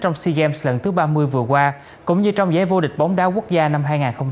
trong sea games lần thứ ba mươi vừa qua cũng như trong giấy vô địch bóng đá quốc gia năm hai nghìn một mươi chín